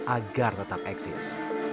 agar tetap eksis